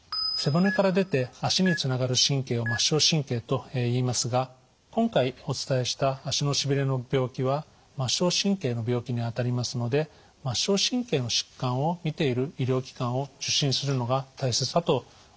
背骨から出て足につながる神経を末梢神経といいますが今回お伝えした足のしびれの病気は末梢神経の病気にあたりますので末梢神経の疾患を診ている医療機関を受診するのが大切だと思います。